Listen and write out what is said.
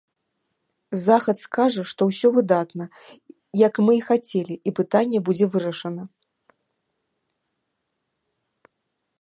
Захад скажа, што ўсё выдатна, як мы і хацелі, і пытанне будзе вырашана.